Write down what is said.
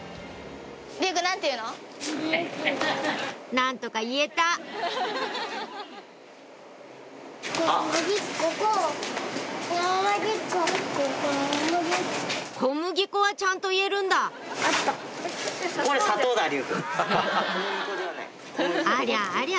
何とか言えた小麦粉はちゃんと言えるんだありゃありゃ